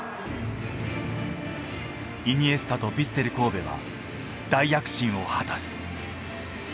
イニエスタとヴィッセル神戸は大躍進を果たす。